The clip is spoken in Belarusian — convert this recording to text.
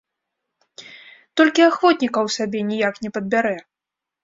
Толькі ахвотнікаў сабе ніяк не падбярэ.